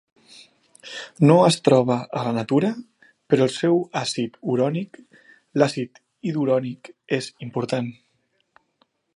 No es troba a la natura, però el seu àcid urònic, l'acid idurònic, és important.